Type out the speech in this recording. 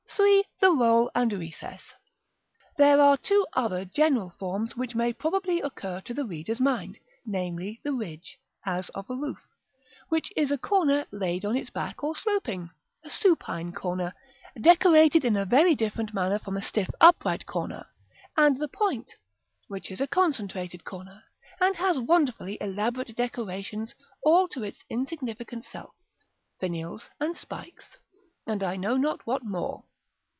3. The Roll and Recess. § VI. There are two other general forms which may probably occur to the reader's mind, namely, the ridge (as of a roof), which is a corner laid on its back, or sloping, a supine corner, decorated in a very different manner from a stiff upright corner: and the point, which is a concentrated corner, and has wonderfully elaborate decorations all to its insignificant self, finials, and spikes, and I know not what more.